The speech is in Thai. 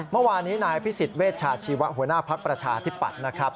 เมื่อวานนี้นายพิสิทธิเวชาชีวะหัวหน้าภักดิ์ประชาธิปัตย์นะครับ